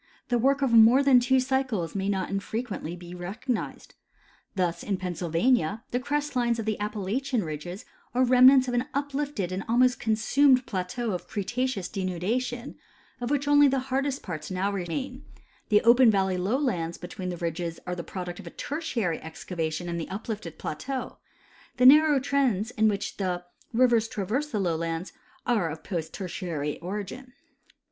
The work of more than two cycles may not infrequently be recognized. Thus, in Pennsjdvania the crest lines of the Appalachian ridges are remnants of an ui)lifted and almost consumed plateau of Cretaceous denudation, of Avhich only the hardest parts now remain ; the open vallev lowlands l^etween the ridges are the product of Tertiary excavation in the uplifted plateau ; the narrow trendies, in wliich the rivers traverse the lowlands, are of post Tertiary origin.